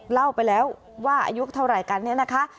เล่าไปแล้วว่าอายุเท่าไหร่กันเนี่ยนะคะ